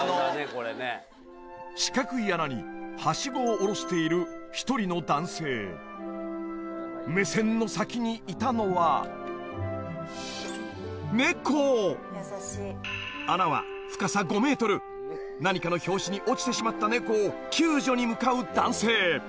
これね四角い穴にハシゴを下ろしている一人の男性目線の先にいたのは穴は何かの拍子に落ちてしまった猫を救助に向かう男性